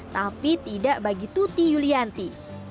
tapi tidak bagi tuti yulianti